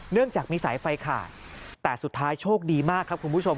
เนื่องจากมีสายไฟขาดแต่สุดท้ายโชคดีมากครับคุณผู้ชม